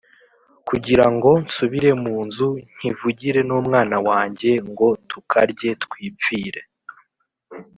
kugira ngo nsubire mu nzu nkivugire n’umwana wanjye, ngo tukarye twipfire